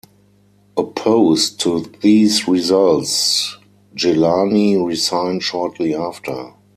Opposed to these results, Gillani resigned shortly after.